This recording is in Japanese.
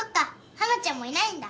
花ちゃんもいないんだ。